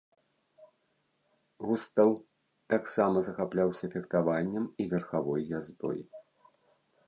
Густаў таксама захапляўся фехтаваннем і верхавой яздой.